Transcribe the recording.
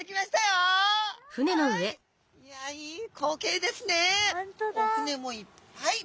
お船もいっぱい！